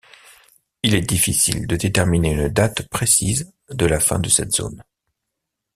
Il est difficile de déterminer une date précise de la fin de cette zone.